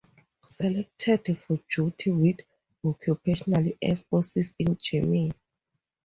Selected for duty with occupational air forces in Germany.